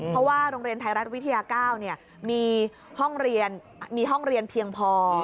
เพราะว่าโรงเรียนไทยรัฐวิทยา๙มีห้องเรียนมีห้องเรียนเพียงพอ